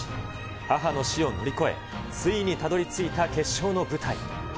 母の死を乗り越え、ついにたどりついた決勝の舞台。